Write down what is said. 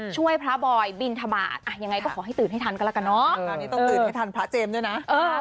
ช่วยพระบอยบินทบาทยังไงก็ขอให้ตื่นให้ทันก็แล้วกันเนอะคราวนี้ต้องตื่นให้ทันพระเจมส์ด้วยนะ